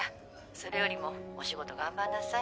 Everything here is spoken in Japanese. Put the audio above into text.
それよりもお仕事頑張んなさい